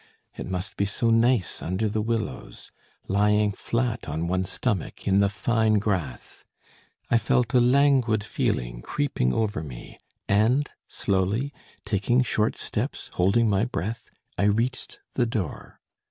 It must be so nice under the willows, lying flat on one's stomach, in the fine grass! I felt a languid feeling creeping over me, and, slowly, taking short steps, holding my breath, I reached the door.